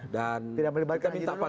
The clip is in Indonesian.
dan kita minta pandangan